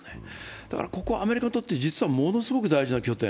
だからここ、アメリカにとって実はものすごく大事な拠点。